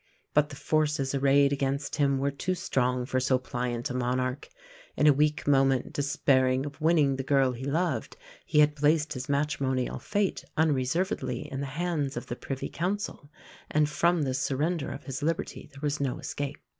But the forces arrayed against him were too strong for so pliant a monarch. In a weak moment, despairing of winning the girl he loved, he had placed his matrimonial fate unreservedly in the hands of the Privy Council; and from this surrender of his liberty there was no escape.